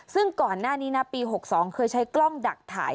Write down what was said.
ซึ่งก่อนหน้านี้นะปี๖๒เคยใช้กล้องดักถ่าย